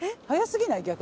早すぎない？